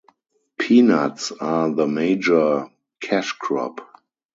Peanuts are the major cashcrop.